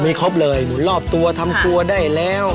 มีครบเลยหมุนรอบตัวทำตัวได้แล้ว